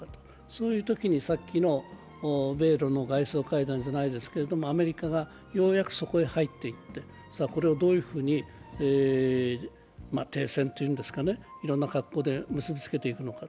そういうときに、さっきの米ロの外相会談じゃないですけどアメリカがようやくそこへ入っていってさあ、これをどういうふうに停戦というんですかね、いろんな格好で結びつけていくのか。